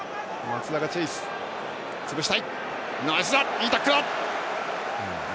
いいタックルだ！